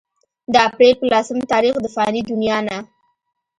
د اپريل پۀ لسم تاريخ د فاني دنيا نه